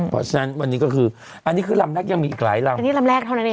เพราะฉะนั้นอันนี้คือลำนักยังมีอีกหลายลำ